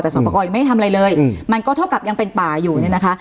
แต่สอบประกอบยังไม่ได้ทำอะไรเลยมันก็เท่ากับยังเป็นป่าอยู่เนี่ยนะคะ